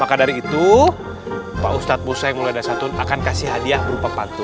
maka dari itu pak ustadz musa yang mulia dasa tun akan kasih hadiah berupa pantun